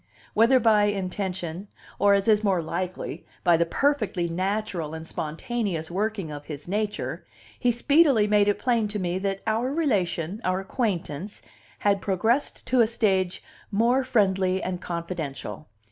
Whether by intention, or, as is more likely, by the perfectly natural and spontaneous working of his nature, he speedily made it plain to me that our relation, our acquaintance, had progressed to a stage more friendly and confidential.